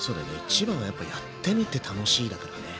一番はやっぱやってみて楽しいだからね。